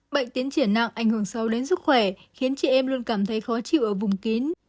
bệnh tiến triển nặng ảnh hưởng sâu đến sức khỏe khiến chị em luôn cảm thấy khó chịu ở vùng kín